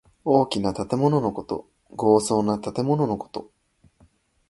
大きな建物のこと。豪壮な建物のこと。